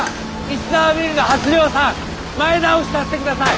石沢ビールの初量産前倒しさせてください！